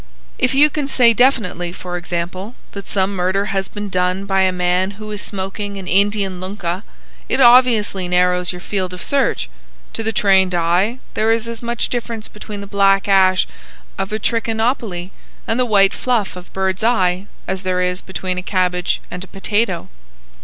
If you can say definitely, for example, that some murder has been done by a man who was smoking an Indian lunkah, it obviously narrows your field of search. To the trained eye there is as much difference between the black ash of a Trichinopoly and the white fluff of bird's eye as there is between a cabbage and a potato."